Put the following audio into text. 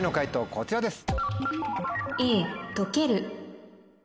こちらです。